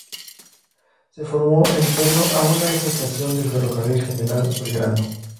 Se formó en torno a una ex estación del Ferrocarril General Belgrano.